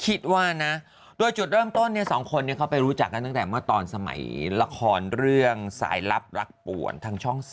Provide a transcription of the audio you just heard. คิดว่านะโดยจุดเริ่มต้น๒คนเขาไปรู้จักกันตั้งแต่เมื่อตอนสมัยละครเรื่องสายลับรักป่วนทางช่อง๓